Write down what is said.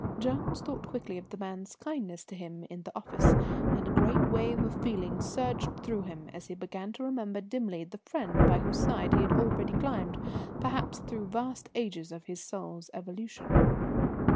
Jones thought quickly of the man's kindness to him in the office, and a great wave of feeling surged through him as he began to remember dimly the friend by whose side he had already climbed, perhaps through vast ages of his soul's evolution.